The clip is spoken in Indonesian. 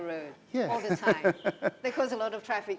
mereka menyebabkan banyak jam trafik